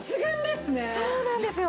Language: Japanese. そうなんですよ。